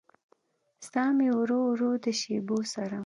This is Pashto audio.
ساه مې ورو ورو د شېبو سره